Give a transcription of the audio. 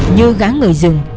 như gã người rừng